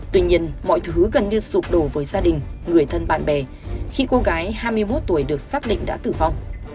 tuy nhiên mọi thứ gần như sụp đổ với gia đình người thân bạn bè khi cô gái hai mươi một tuổi được xác định đã tử vong